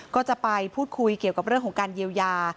ก็จะไปพูดคุยเกี่ยวกับเรื่องของการเยียวยา